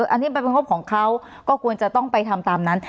อันนี้มันเป็นงบของเขาก็ควรจะต้องไปทำตามนั้น